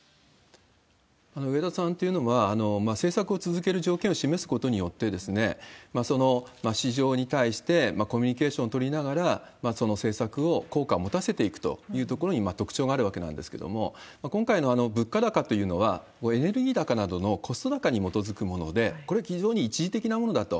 植田さんというのは、政策を続ける条件を示すことによって、その市場に対してコミュニケーションを取りながら、その政策を効果を持たせていくというところに特徴があるわけなんですけれども、今回の物価高というのは、エネルギー高などのコスト高に基づくもので、これ、非常に一時的なものだと。